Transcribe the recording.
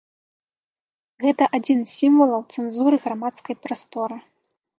Гэта адзін з сімвалаў цэнзуры грамадскай прасторы.